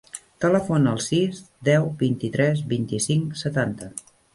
Telefona al sis, deu, vint-i-tres, vint-i-cinc, setanta.